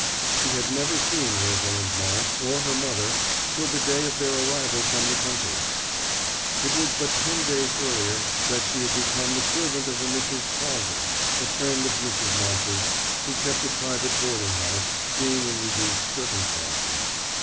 She had never seen Rosalind Marsh, or her mother, till the day of their arrival from the country. It was but ten days earlier that she had become the servant of a Mrs. Prawser, a friend of Mrs. Marsh's, who kept a private boarding house, being in reduced circumstances.